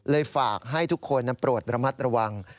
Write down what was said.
ฝากให้ทุกคนนั้นโปรดระมัดระวัง